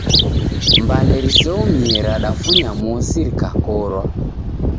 Mbande riseomie radafunya mosi rikakorwa.